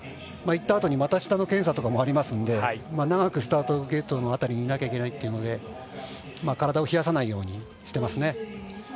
いったあとに股下の検査とかもあるので長くスタートゲートの辺りにいなきゃいけないっていうので体を冷やさないようにしてますね。